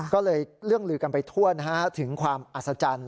ก็เลยเรื่องลือกันไปทั่วถึงความอัศจรรย์